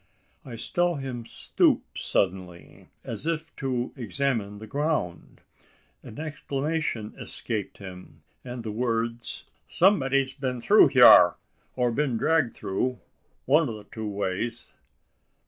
I saw him stoop suddenly, as if to examine the ground. An exclamation escaped him, and the words: "Someb'dy's crawled through hyar, or been dragged through one o' the two ways."